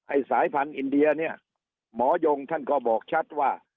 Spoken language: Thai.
สายพันธุ์อินเดียเนี่ยหมอยงท่านก็บอกชัดว่า